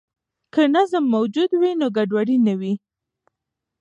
که نظم موجود وي، نو ګډوډي نه وي.